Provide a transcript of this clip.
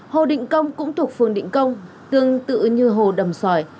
hồ định công cũng thuộc phường định công tương tự như hồ đầm sòi